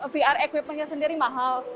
vr equipmentnya sendiri mahal